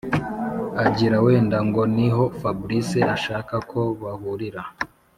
agira wenda ngo niho fabric ashaka ko bahurira.